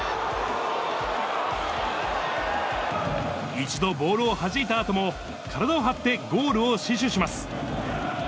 一度、ボールをはじいたあとも、体を張ってゴールを死守します。